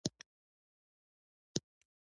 هغې هم شاته د ځان په ګټه لابي کاوه.